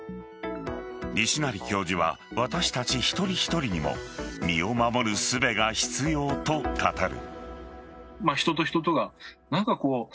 西成教授は私たち一人一人にも身を守るすべが必要と語る。